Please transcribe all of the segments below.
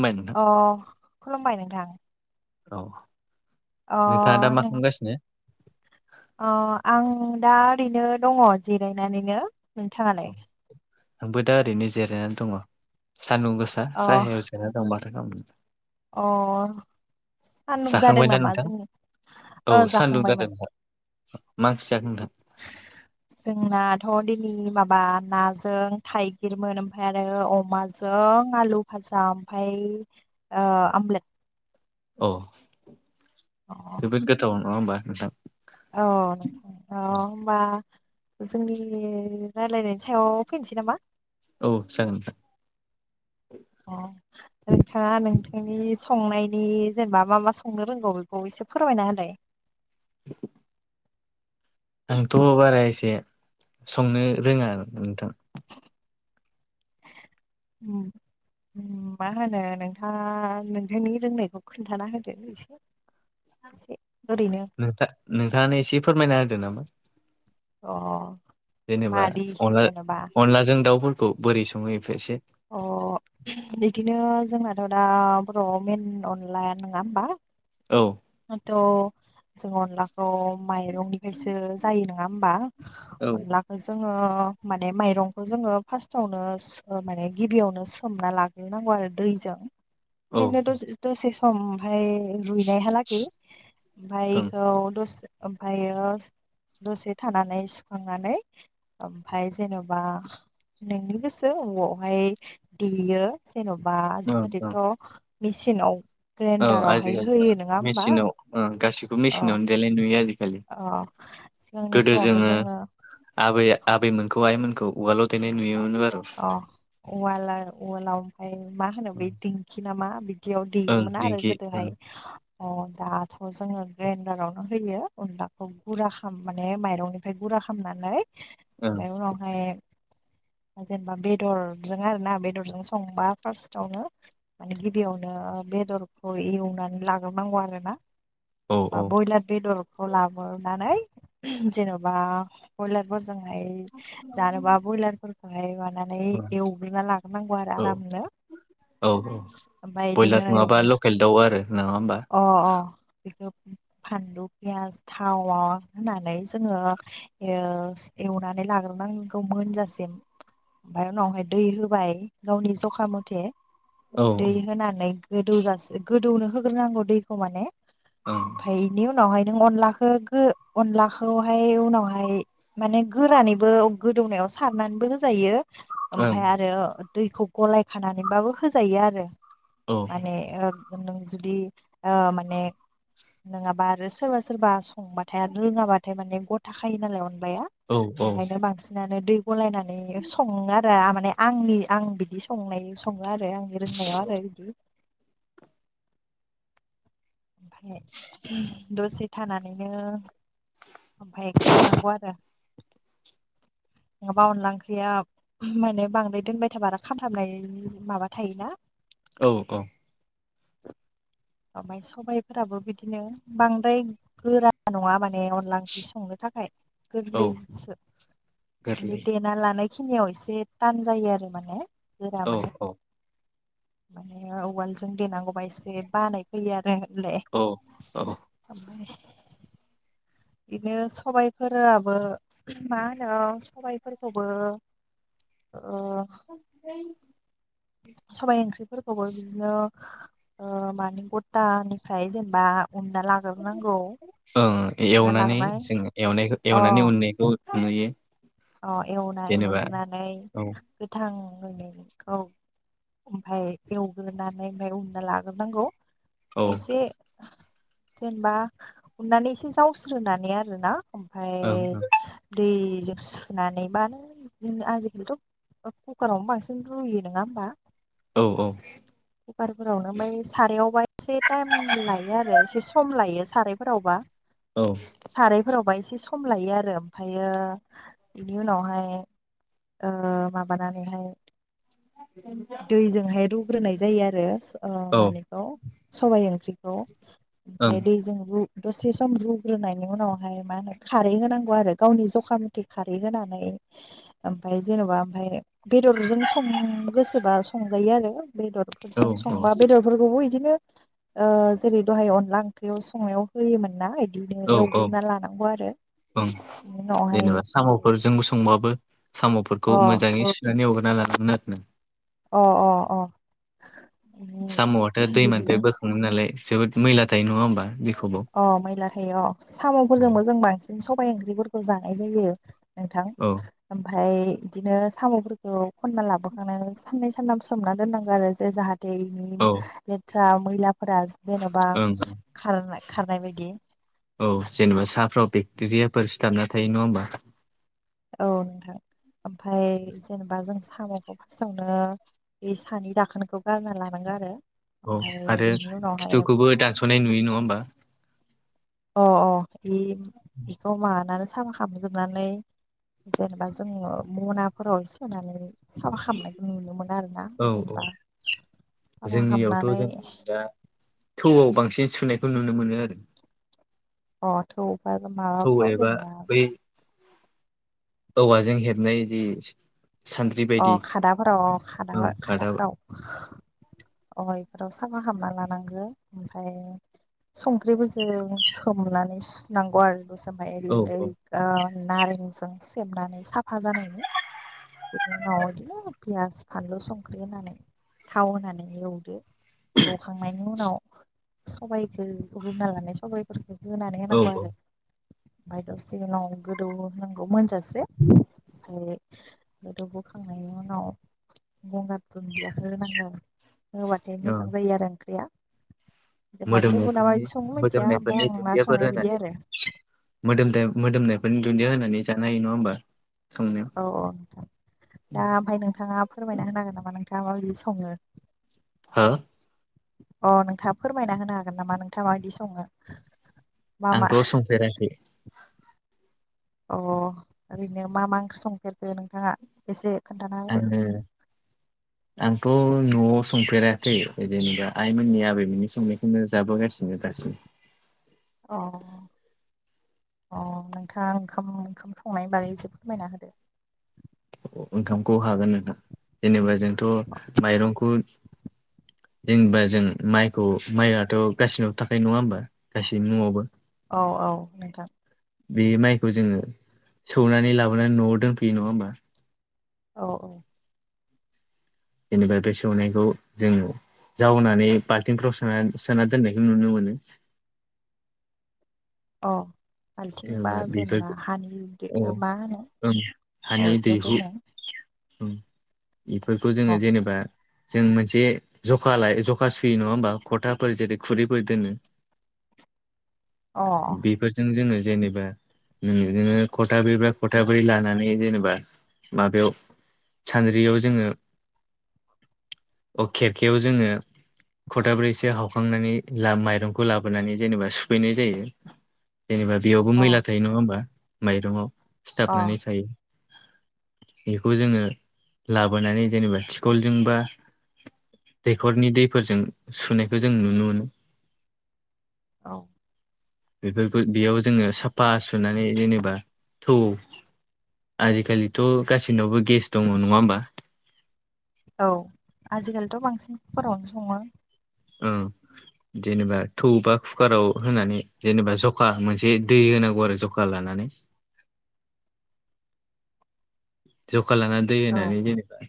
मेन अ खुलुमबाय नोंथां। औ अ नोंथांङा दा मा नों खालामगासिनो? अ आं दा ओरैनो दंङ जिरायनानैनो औ नोंथांङालाय? आंबो दा ओरैनो जिरायनानै दंङ। सान्दुं गोसा अ साहायाव जिरनानै। [inaudible] अ सान्दुं जादों जाखांबायना नामा नोंथां औ जोंनि सान्दुं जादों जाखांबायमोन नोंथां मा ओंख्रि जाखो जोंनाथ' दिनै माबा नाजों थाइगिरमोन ओमफ्राय आरो अमाजों जों आलु फाजा ओमफफ्राय आमलेट। औ अ जोबोद गोथावाव नंङा होमबा नोंथां। औ नोंथां औ होनबा। जोंनि राय्लायनायनि सायाव फैनोसै नामा औ जागोन। नोंथांङा नोंथांनि संनायनि जेनेबा मा मा संनो रोंगौ बेखौ एसे फोरमायना होलाय [inaudible] आंथ' बारा एसे संनो रोंङा नोंथां। उम मा होनो नोंथांङा नोंथांनि रोंनायखौ खोन्थाना होदो एसे? एसे ओरैनो नोंथा नोंथांङानो एसे फोरमायना होदों नामा? अ जेनेबा मादि जेन'बा अनलाजों दाउफोरखौ बोरै संङयो एसे अ बिदिनो जोंनाथ' दा बर'आव मेन अनलाया नंङा होमबा। औव दाथ' जोंडोंग ला थ' माइरंनिफ्रायसो जायो नंङा होमबा औ अनला जोंङो माने माइरंखौ जोंङो फार्स्टावनो माने गिबियावनो सोमना लाग सुनांगौ आरो दैजों औ ओनो दसे सम ओमफय रुइनाय ओं ओमफायखौ द ओमफ्रायो दसे थानानै सुखांनानै ओमफ्राय जेनेबा नोंनि गोसो अबावहाय देयो जेन'बा ओं ओं आजिखालिथ' मेचिनाव ग्राइडारावहाय होयो नोंथां। मेचनाव गासिबो मेसिनावनो देलनाय नुयो आजिखालि। औ सिगांनि समावथ' जोंङो। आबैय आबैमोनखौ आइमोनखौ उवाल' देनाय नुयोमोन आरो' उवाल उवालाव ओमफफ्राय मा होनो बे दिंखि नामा बि बिदियाव ओं देयोमोना आरो दिंखि ओं गोदोहाय। अ दाथ' जोंङो ग्राइडारावनो होयो अनलाखौ गुरा खाम नानै माइरंनि ओमफफ्राय गुरा खालामनानै ओं ओमफ्राय उनावहाय जेनेबा बेदरजों आरो ना बेदरजों संबा फार्स्टावनो माने गिबियावनो बेदरखौ एवनानै लाग्रोबनांगौ आरो ना। औ बा ब्रयलार बेदरखौ लाबोननानै जेनेबा ब्रयलार फोरजोंहाय जानोबा ब्रयलार ओमाय मानानै एवग्रोनना लाग्रोनांगौ आरो औ आरामनो। औ औ ओमफ्राय बिदिनो ब्रयलार नंङाबा एवग्रो लकेल दाउ आरो नंङा होमबा। अ अ बेखौ फानलु पियास थाव होननानै जोंङो एवनानै लाग्रोनोनांगौव मोनजासिम। ओमफ्राय उनावहाय दै होबाय गावनि जखा मथे औ दै ओं होनानै गोदौजास गोदौनो होग्रोनांगौ दैखौ माने औ ओमफफ्राय बेनि उनावहाय नों अनलाखौ अनलाखौहाय उनावहाय माने गोरानैबो गोदौनायाव सारनानैबो होजायो ओं ओमफफ्राय आरो दैखौ गलाय खानानैबाबो होजायो आरो। औ माने ओ नों जुदि माने नङाबा आरो सोरबा सोरबा संबाथाय रोङाबाथाय माने ग थाखायो नालाय अनलाया औ औ ओंखायनो बांसिनानो दै गलायनानै माने सङो आरो माने आंनि आं बिदि संनाय सङो आरो आंनि रोंनायाव आरो बिदि। ओमफफ्राय दसे थानानैनो ओमफफ्राय खांनांगौ आरो नङाबा अनला ओंख्रिया माने बांद्राय दोनबाय थाबा आरो खामथाबनायनि माबा थायोना। औ औ [inaudible] सबबायफोराबो बिदिनो बांद्राय गोरा नङा माने अनला ओंख्रि संनो थाखाय औ गोरलै सो गोरलै [inaudible] ना लानाय खिनियाव एसे थान जायो आरो माने गोरा औ माने। औ माने उवालजों देनांगौबा एसे बानाय फैयो आरोलै। औ औ [inaudible] बिदिनो सबायफोराबो मा होनो सबायफोरखौबो ओ [inaudible] सबाइ ओंख्रिफोरखौबो बिदिनो मानि गथानिफ्राय जेनेबा उनना ला औ एवनानै लाग्रोनाय जोंनायखौ अ एवनानै उनायखौ नुयो। अ एवना जेनेबा एवग्रोननानै औ गोथां होनैखौ ओमफफ्राय एवग्रोनानै ओमफ्राय उनना लाग्रोनांगौ। औ एसे जेनेबा उननानै एसे जावस्रोनानै आर ना। ओमफाय ओं दैजों सुस्र नानैबा नों आजिखालिथ' कुकारावनो बांसिन रुयो नङा होमबा। औ औ कुकारफोरावनो ओमफ्राय सारायावबा एसे टाइम लायो आरो एसे सम लायो सारायफोरावबा औ सारायफोरावबा एसे सम लायो आरो ओमफ्रायो बेनि उनावहाय माबानानैहाय दैजोंहाय रुग्रोनाय जायो आरो। मानिेखौ सबायाइ ओंख्रिखौ ओं ओमफफ्राय दैजों रु दसे सम रुग्रोनायनि उनावहाय मा होनो खारै होनांगौ आरो गावनि जखा मथे खारै होनानै ओमफफ्राय जेन'बा ओमफफ्राय बेदरजों सं गो सोरबा संजायो आरो बेदरफोरजों औ संबा बेदरफोरखौबो बिदिनो जेरै दहाय अनला ओंख्रियाव संनायाव होयोमोन ना बिदिनो औ औ एवग्रोनना लानांगौ आरो। बिनि उनावहाय जेनेबा साम'फोरजों संबाबो साम'फोरखौ अ मोजाङै एवगोरना लानांगौ आरो ना अ अ अ बिनि साम'आथ' दैमानिफ्राय बिदिनो बोखाङो नालाय जोबोद मैला थायो नङा होमबा जेखौबो अ मैला थायो अ साम'फोरजोंबो जों बांसिन सबाइ ओंख्रिफोरखौ जानाय जायो नोंथां। औ ओमफफ्राय बिदिनो साम'फोरखौ खनना लाबोखांनानै साननै सानाम सोमना दोननांगौ आरो जे जाहाथे दैनि औ लेथ्रा मैलाफोरा ज-जेन'बा ओं खारना-खारनाय बायदि औ जेनेबा साहफ्राव बेक्टेरियाफोर सिथाबना थायो नङा होमबा औ नोंथां ओमफ्राय जेनेबा जों साम'खौ फार्स्टआवनो बे सानि दाखोनखौ गारना लानांगौ आरो औ ओमफाय आरो इनि उनावहाय खिथुखौबो दानस'नाय नुयो नङा होमबा अ अ बि बिखौ मानानै साम'ख [unintelligible] जोबनानै जेनेबा जोङो मनाफोराव सोनानै साफा खालामामनायखौ नुनो मोन आरोना औ औ जेनेबा साफा जोंनियावथ' खालामामनानै जों दा थौआव बांसिन सुनायखौ नुनो मोनो आरो अ थौ बा थौ माबाफ्राव एबा जेनबा बै औवाजों हेबनाय जि सान्द्रि अ बायदि खादाफोराव खादा ओं खादा औ खादाफोराव अ इफोराव साफा खामना लानांगो ओमफ्राय संख्रिफोरजों सोमनानै सुनांगौ आरो सोमानाय औ ओ नारेंजों सेबनानै साफा जानायनि बिनि उनाव बिदिनो पियास फानलु संख्रि होनानै थाव होनानै एवदो एवखांनायनि उनाव सबाइखो रुना लानाय सबाइ होनानै औ होनांगौ आरो मफ्राय दसे उनाव गोदौ होनांगौ मोन दाबसे उम गोदौ बोखांनायनि उनाव गंगार दुन्दियाखो होनांगो आरो होबाथाय औ मोजां जायो आरो ओंख्रिया जेनेबा गुबुना मोदोमनायफोरनि माबायदि सङो मिथिया ओमफ्राय मोदोमनायफोरनि आंना दुन्दियाफोर संनाया बिदि होनानै आरो मोदोमथो मोदोमनायफोरनि दुन्दिया होनानै जानो हायो नङा होमबा संनायाव औ औ नोंथां दा ओमफ्राय नोंथाङा फोरमायना होनांगो नामा नोंथाङा माबायदि सङो हो अ नोंथाङा फोरमायना होनो हागोन नामा नोंथाङा माबायदि सङो मा मा आंथ' संफेराखै अ ओरैनो मा मा ओंख्रि संफेरखो नोंथाङा? एसे खोनथाना आङो आंथ' न'आव संफेराखै जेनेबा आइमोननि आबैमोननि संनाय खोनो जाबोगासिनो दासिम अ अ नोंथाङा ओंखाम ओंखाम संनायनि बागै एसे फोरमायना होदो ओंखामखौ हागोन नोंथां जेनेबा जोंथ' माइरंखौ जेनबा जों माइखौ माइआथ' गासिनावबो थाखायो नङा होमबा गासैनिबो न'आवबो औ औ नोंथां बे माइखौ जोङो सौनानै लाबोनानै न'आव दोनफैयो नङा होमबा औ औ जेनेबा बे सौनायखौ जोङो जावनानै बाल्थिंफ्राव सोना सोना दोननायखौ नुनो मोनो अ बाल्थिंबा जेनेबा बेफोर जेनेबा हानि दो औ ओ मा होनो ओं अ हानि बिदियाव दैहु दोनो उम बिफोरखौ जोङो अ जेनेबा जों मोनसे जखा लाय जखा सुयो नङा होमबा खथाफोर जेरै खुरैफोर दोनो अ बेफोरजों जोङो जेनेबा जोंनो खथाब्रै बा खथाब्रै लानानै जेनेबा माबायाव सान्द्रियाव जोङो अ खेरखायाव जोङो खथाब्रैसो हावखांनानै ला माइरंखौ लाबोनानै जेनेबा सुफैनाय जायो जेनेबा बेयावबो अ मैला थायो नङा होमबा माइरंआव अ सिथाबनानै थायो बेखौ जोङो लाबोनानै जेनेबा थिखलजोंबा। दैखरनि दैफोरजों सुनैखो जों नुनो मोनो। औ बेफोरखौ बेयाव जोङो साफा सुनानै जेनेबा थौ। आजिखालिथ' गासैनावबो गेस दङ नङा होमबा। औ आजिखालिथ' बांसिन कुकारावनो सङो। ओ जेनेबा थौ बा कुकाराव होनानै जेनेबा जखा मोनसे दै होनांगौ आरो जखा लानानै। जखा लांनानै दै औ होनानै जेनेबा।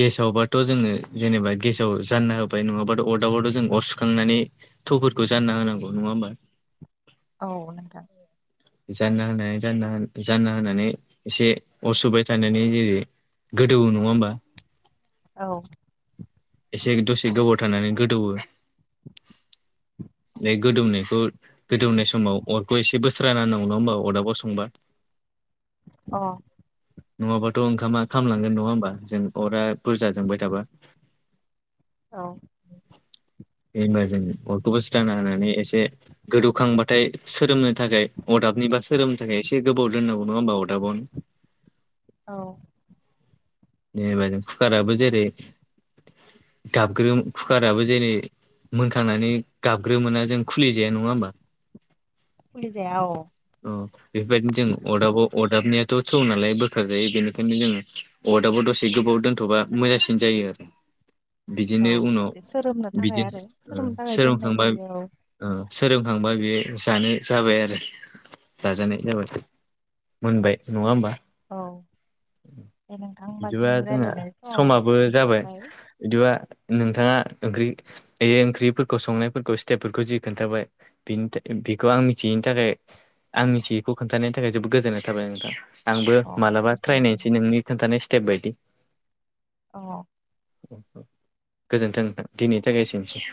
गेसावबाथ' जोङो जेनेबा गेसाव जानना होबाय नङाबाथ' अरदाबावथ' जों अर सुखांनानै। थौफोरखौ जानना होनांगौ नङा होमबा। औ नोंथां। जानना होनानै जानना जानना होनानै एसे अरसुबाय थानानै जेरै गोदौ नङा होमबा। औ एसे दसे गोबाव थानानै गोदौवो। बे गोदौनायखौ गोदौनाय समाव अरखौ एसे बोस्रा ना नांगौ नङा होमबा अदाबाव संबा, अ नङाबाथ' ओंखामा खालामलांगोन नङा होमबा जों अरा बुरजा जोंबाय थाबा। औ बे ओनबाजों अरखौबो सिखायना होना एसे गोदौखांबाथाय सोरोमनो थाखाय अदाबनि बा सोरोमनो थाखाय एसे गोबाव दोननांगौ नङा होमबा अदाबावनो। औ जेनेबा जों कुकाराबो जेरै गाबग्रो कुकाराबो जेरै मोनखांनानै गाबग्रोमोना जों खुलिजाया नङा होमबा। फुलि जाया औ। अ बेफोरबायदिनो जों अरदाबाव अरदाबनिथ' थौ नालाय बोखार जायो बेनिखायनो जोङो। अरदाबाव दसे गोबाव दोनथ'बा मोजांसिन जायो आरो औ बिदिनो उनाव एसे सोरोमनो थाखाय बिदिनो आरो सोरोमनो थाखाय दोननाय सोरांखांबा, जायो औ ओ सोरोंखांबा बेयो जानो जाबाय आरो जाजानाय जाबाय। मोनबाय नङा होमबा। औ दे नोंथां होनबा बिदिबा जोंनि जोंहा रायज्लायनाय औ समाबो जाबाय जोबबाय। बिदिबा नोंथाङा ओंख्रि बे ओंख्रिफोरखौ संनायफोरखौ स्टेपफोरखौ जि खोन्थाबाय। फिन बेखौ आं मिथियैनि थाखाय आं मिथियैखौ खोन्थानायनि थाखाय जोबोद गोजोननाय थाबाय नोंथां। आंबो अ मालाबा ट्राय गोजोनबाय नायनोसै नोंनि खोनन्थानाय स्टेप बायदि। अ गोजोन्थों। दिनैनि थाखाय एसेनोसै,